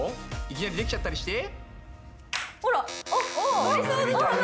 いきなりできちゃったりして？